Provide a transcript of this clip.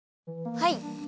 はい。